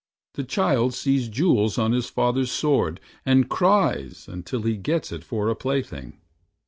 The child sees jewels on his father's sword, And cries until he gets it for a plaything.